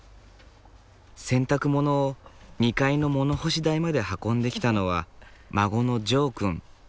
洗濯物を２階の物干し台まで運んできたのは孫のジョーくん。